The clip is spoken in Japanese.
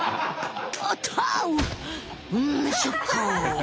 んショック！